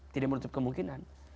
tidak menutup kemungkinan